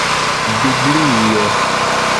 biblio